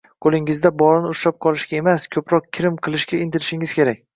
Qo’lingizda borini ushlab qolishga emas, ko’proq kirim qilishga intilishingiz kerak